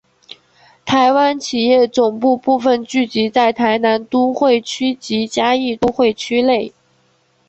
台湾企业总部部份聚集在台南都会区及嘉义都会区内。